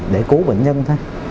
để cứu bệnh nhân thôi